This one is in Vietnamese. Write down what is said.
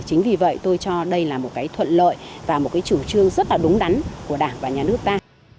chính vì vậy tôi cho đây là một cái thuận lợi và một cái chủ trương rất là đúng đắn của đảng và nhà nước ta